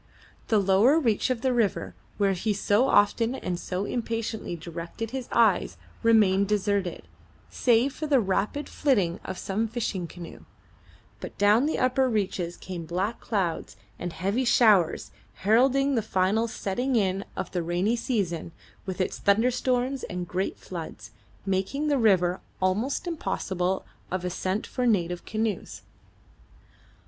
The lower reach of the river where he so often and so impatiently directed his eyes remained deserted, save for the rapid flitting of some fishing canoe; but down the upper reaches came black clouds and heavy showers heralding the final setting in of the rainy season with its thunderstorms and great floods making the river almost impossible of ascent for native canoes.